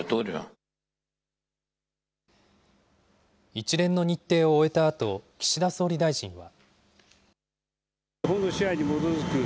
一連の日程を終えたあと、岸田総理大臣は。